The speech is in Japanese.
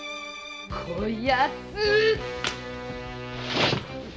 こやつ！